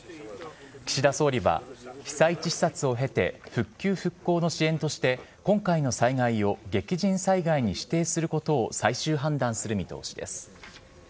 岸田総理は、被災地視察を経て復旧・復興の支援として今回の災害を激甚災害に指定することを最終判断する見通しです。